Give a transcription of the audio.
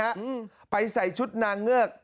แถลงการแนะนำพระมหาเทวีเจ้าแห่งเมืองทิพย์